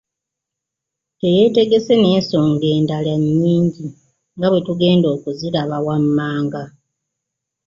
Teyeetegese n’ensonga endala nnyingi nga bwetugenda okuziraba wammanaga.